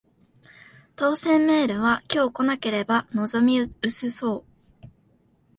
当せんメールは今日来なければ望み薄そう